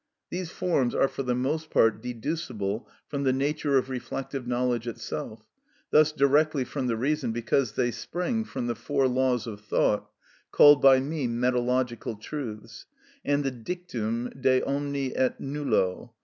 These forms are for the most part deducible from the nature of reflective knowledge itself, thus directly from the reason, because they spring from the four laws of thought (called by me metalogical truths) and the dictum de omni et nullo.